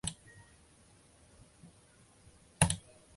它是沙拉越西南部居民的水源。